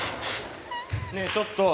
ねえちょっと。